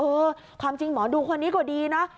ความจริงหมอดูคนนี้ก็ดีนะ